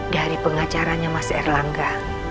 dari pengacaranya mas erlangga